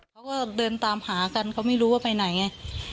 เขาก็เดินตามหากันเขาไม่รู้ว่าไปไหนไง